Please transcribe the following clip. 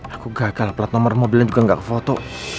aku gagal pelat nomor mobilnya juga nggak kefoto